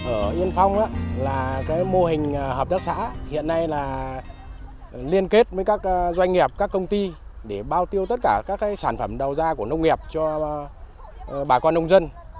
ở yên phong là mô hình hợp tác xã hiện nay là liên kết với các doanh nghiệp các công ty để bao tiêu tất cả các sản phẩm đầu ra của nông nghiệp cho bà con nông dân